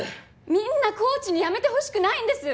みんなコーチに辞めてほしくないんです！